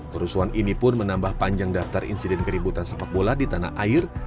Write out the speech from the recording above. kerusuhan ini pun menambah panjang daftar insiden keributan sepak bola di tanah air